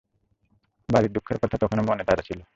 বাড়ির দুঃখের কথা তখনো মনে তাজা ছিল।